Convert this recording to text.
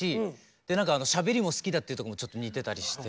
で何かしゃべりも好きだっていうとこもちょっと似てたりして。